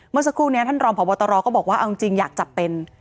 เมื่อสักครู่นี้ท่านรองพบตรก็บอกว่าเอาจริงอยากจับเป็น